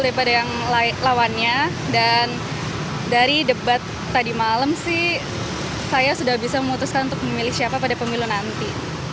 daripada yang lawannya dan dari debat tadi malam sih saya sudah bisa memutuskan untuk memilih siapa pada pemilu nanti